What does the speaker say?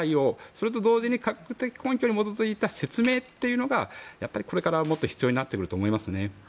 それと同時に科学的根拠に基づいた説明というのが、これからもっと必要になってくると思いますね。